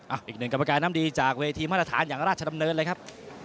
อีกหนึ่งกรรมการน้ำดีจากเวทีมาตรฐานอย่างราชดำเนินเลยครับ